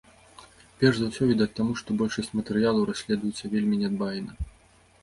Перш за ўсё, відаць, таму, што большасць матэрыялаў расследуецца вельмі нядбайна.